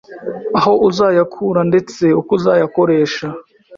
aho uzayakura ndetse uko uzayakoresha,